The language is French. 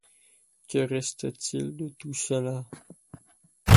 Que reste-t-il de tout cela?